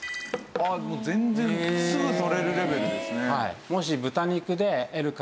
ああでも全然すぐとれるレベルですね。